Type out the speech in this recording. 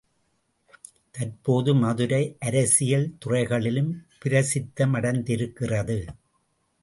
தற்போது மதுரை அரசியல் துறைகளிலும் பிரசித்த மடைந்திருக்கிறது.